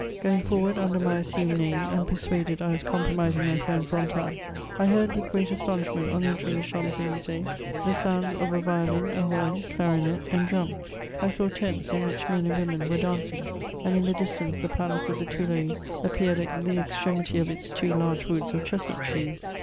Going forward under my assumed name, and persuaded I was compromising my friend Fontanes, I heard with great astonishment, on entering the Champs Eh/sees, the sounds of a violin, a horn, clarionet, and drum ; I saw tents, in which men and women were dancing ; and, in the distance, the palace of the Tuileries appeared at the extremity of its two large woods of chestnut trees.